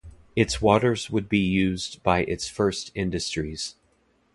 Its waters would be used by its first industries.